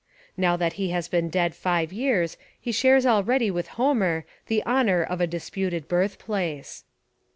Now that he has been dead five years he shares already with Homer the honour of a disputed birth place.